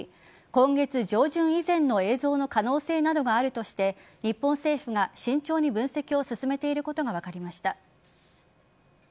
今月上旬以前の映像の可能性などがあるとして日本政府が慎重に分析を進めていることが分かりました。